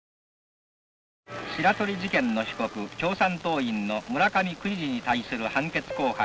「白鳥事件の被告共産党員の村上国治に対する判決公判が」。